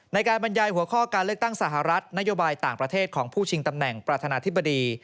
ในการบรรยายหัวข้อการเลือกตั้งสหรัฐนโยบายต่างประเทศของผู้ชิงตำแหน่งประธานาธิบดี